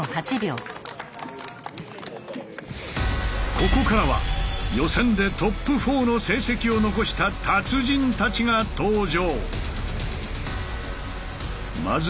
ここからは予選でトップ４の成績を残した達人たちが登場。